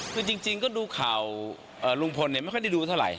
คือจริงก็ดูข่าวลุงพลไม่ค่อยได้ดูเท่าไหร